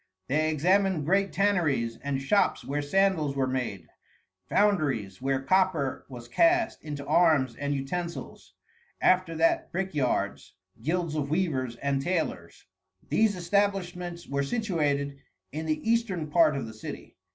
They examined great tanneries, and shops where sandals were made, foundries where copper was cast into arms and utensils. After that, brickyards, guilds of weavers and tailors. These establishments were situated in the eastern part of the city.